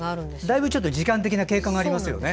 だいぶ時間的な経過がありますよね。